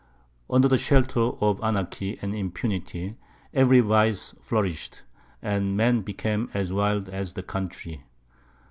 Under the shelter of anarchy and impunity, every vice flourished, and men became as wild as the country.